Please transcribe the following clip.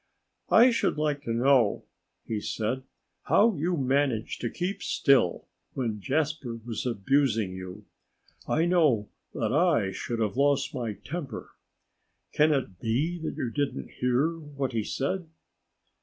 "I should like to know," he said, "how you managed to keep still when Jasper was abusing you. I know that I should have lost my temper. Can it be that you didn't hear what he said?"